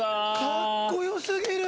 かっこ良すぎる！